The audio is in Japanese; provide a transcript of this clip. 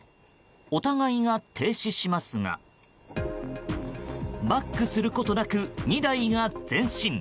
お互いが停止しますがバックすることなく２台が前進。